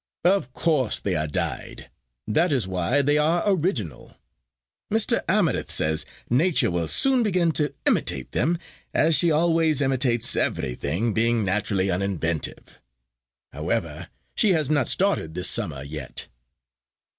Of course they are dyed. That is why they are original. Mr. Amarinth says Nature will soon begin to imitate them, as she always imitates everything, being naturally uninventive. However, she has not started this summer yet."